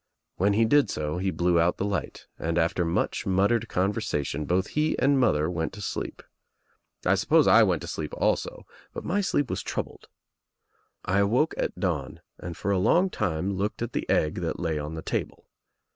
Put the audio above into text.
When he did so he blew out the light and after much muttered con versation both he and mother went to sleep. I sup pose I went to sleep also, but my sleep was troubled. THE EGG 63 I awoke at dawn and for a long time looked at the egg that lay on the table.